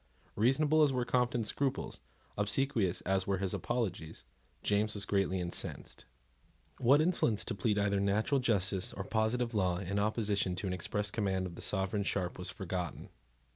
Reasonable as were Compton's scruples, obsequious as were his apologies, James was greatly incensed. What insolence to plead either natural justice or positive law in opposition to an express command of the Sovereign Sharp was forgotten.